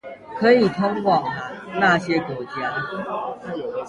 可以通往那些國家